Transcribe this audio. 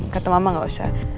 kata mama ga usah